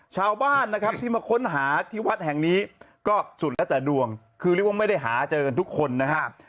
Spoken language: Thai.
ชาวบ้านนะครับที่มาค้นหาที่วัดแห่งนี้ก็สุดแล้วแต่ดวงคือเรียกว่าไม่ได้หาเจอกันทุกคนนะครับ